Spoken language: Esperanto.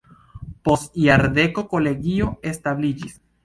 Post jardeko kolegio establiĝis.